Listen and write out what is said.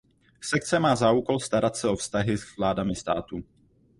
Sekce má za úkol starat se o vztahy s vládami států.